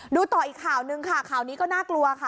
ดูต่ออีกข่าวนึงค่ะข่าวนี้ก็น่ากลัวค่ะ